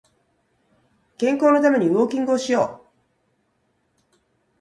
健康のためにウォーキングをしよう